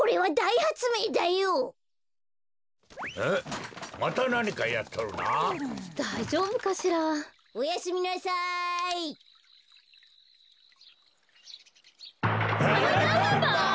はなかっぱ！？